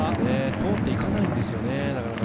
通っていかないんですよね。